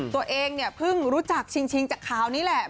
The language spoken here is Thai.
ตัวเองเพิ่งรู้จักชิงชิงจากคราวนี้แหละ